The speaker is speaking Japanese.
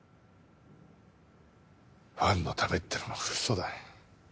ファンのためっていうのも嘘だ。